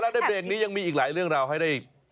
แล้วในเบรกนี้ยังมีอีกหลายเรื่องราวให้ได้